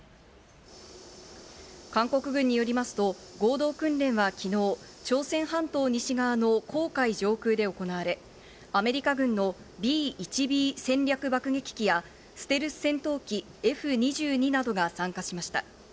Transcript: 韓国軍によりますと、合同訓練は昨日、朝鮮半島西側の黄海上空で行われ、アメリカ軍のＢ１Ｂ戦略爆撃機やステルス戦闘機Ｆ２２などが参加しました。